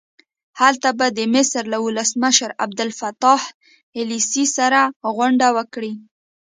هلته به د مصر له ولسمشر عبدالفتاح السیسي سره غونډه وکړي.